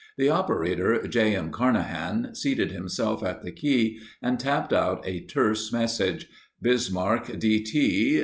The operator, J. M. Carnahan, seated himself at the key and tapped out a terse message: "Bismarck, D.T.